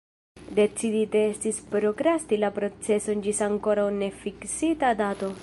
Decidite estis prokrasti la proceson ĝis ankoraŭ nefiksita dato.